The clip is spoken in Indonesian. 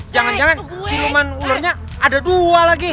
jangan jangan siluman ularnya ada dua lagi